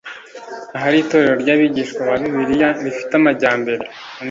ahari itorero ry Abigishwa ba Bibiliya rifite amajyambere